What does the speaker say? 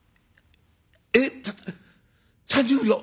「えっ３０両？